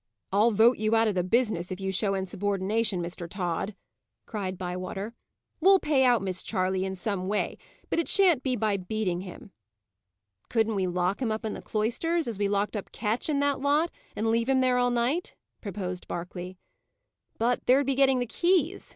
"I'll vote you out of the business, if you show insubordination, Mr. Tod," cried Bywater. "We'll pay out Miss Charley in some way, but it shan't be by beating him." "Couldn't we lock him up in the cloisters, as we locked up Ketch, and that lot; and leave him there all night?" proposed Berkeley. "But there'd be getting the keys?"